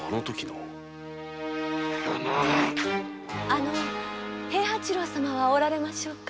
あの平八郎様はおられますか？